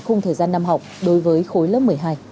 khung thời gian năm học đối với khối lớp một mươi hai